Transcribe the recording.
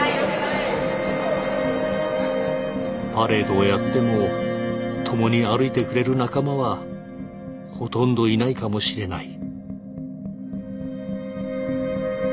パレードをやっても共に歩いてくれる仲間はほとんどいないかもしれない。